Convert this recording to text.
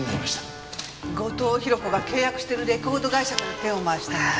後藤宏子が契約してるレコード会社から手を回したのね。